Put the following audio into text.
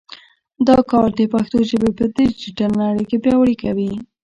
دا کار د پښتو ژبه په ډیجیټل نړۍ کې پیاوړې کوي.